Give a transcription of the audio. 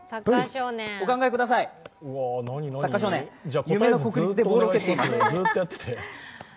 お考えください、サッカー少年、夢の国立でボールを蹴っています。